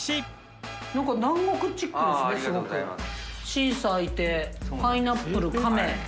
シーサーいてパイナップルカメ。